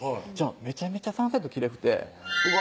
めちゃめちゃサンセットきれくてうわ